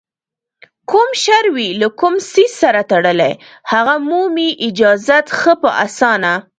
کوم شر وي له کوم څیز سره تړلی، هغه مومي اجازت ښه په اسانه